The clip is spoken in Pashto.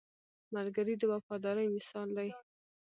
ملګری د وفادارۍ مثال دی